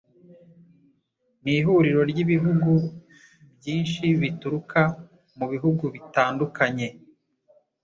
Ni ihuriro ry'ibigo by'inshi bituruka mu bihugu bitandukanye